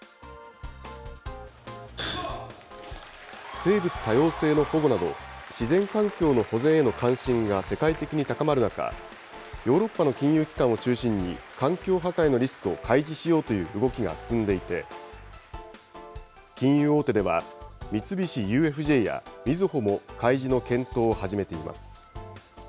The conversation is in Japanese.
生物多様性の保護など、自然環境の保全への関心が世界的に高まる中、ヨーロッパの金融機関を中心に環境破壊のリスクを開示しようという動きが進んでいて、金融大手では、三菱ＵＦＪやみずほも、開示の検討を始めています。